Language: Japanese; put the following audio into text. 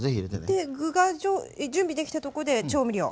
そして具が準備できたところで調味料。